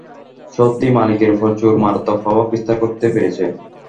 সত্যি, মালিকের ওপর চোর মারাত্মক প্রভাব বিস্তার করতে পেরেছে।